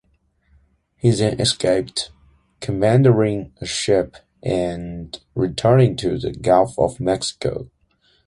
He then escaped, commandeering a ship and returning to the Gulf of Mexico.